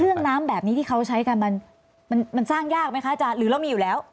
น้ำแบบนี้ที่เขาใช้กันมันสร้างยากไหมคะอาจารย์หรือเรามีอยู่แล้ว